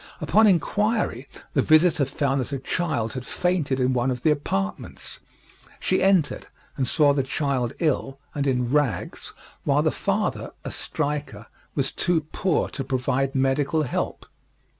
Upon inquiry the visitor found that a child had fainted in one of the apartments. She entered, and saw the child ill and in rags, while the father, a striker, was too poor to provide medical help.